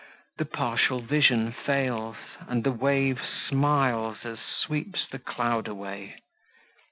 —the partial vision fails, And the wave smiles, as sweeps the cloud away!